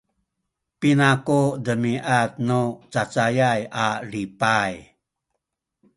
pina ku demiad nu cacayay a lipay?